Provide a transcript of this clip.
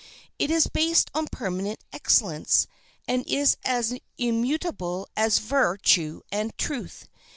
It is based on permanent excellence, and is as immutable as virtue and truth.